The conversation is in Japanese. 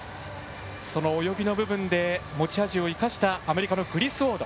その泳ぎの部分で持ち味を生かしたアメリカのグリスウォード。